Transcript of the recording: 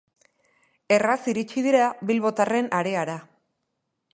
Erraz iritsi dira bilbotarren areara.